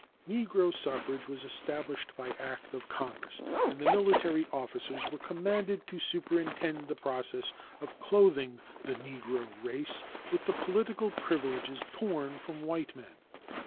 Negro suffrage was established by act of Congress, and the military officers were commanded to superintend the process of clothing the Negro race with the political privileges torn from white men.